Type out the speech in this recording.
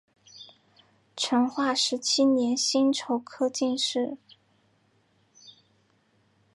成化十七年辛丑科进士。